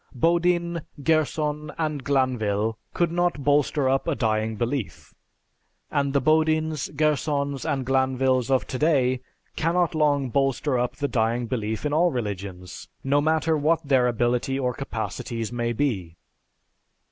Bodin, Gerson, and Glanvil could not bolster up a dying belief; and the Bodins, Gersons, and Glanvils of today cannot long bolster up the dying belief in all religions ... no matter what their ability or capacities may be.